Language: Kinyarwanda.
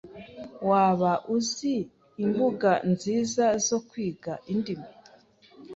Waba uzi imbuga nziza zo kwiga indimi?